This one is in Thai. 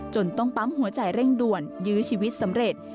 ต้องปั๊มหัวใจเร่งด่วนยื้อชีวิตสำเร็จ